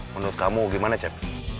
menurut kamu gimana cep